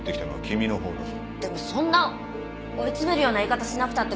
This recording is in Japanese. でもそんな追い詰めるような言い方しなくたって。